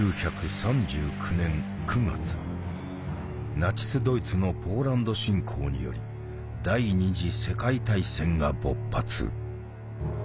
ナチスドイツのポーランド侵攻により第２次世界大戦が勃発。